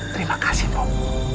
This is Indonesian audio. terima kasih mbopo